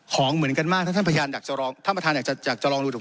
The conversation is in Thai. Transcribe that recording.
ของเหมือนกันมากถ้าท่านพยายามอยากจะลองท่านประธานอยากจะอยากจะลองดูถูก